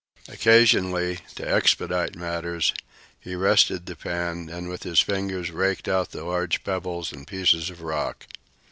Occasionally, to expedite matters, he rested the pan and with his fingers raked out the large pebbles and pieces of rock.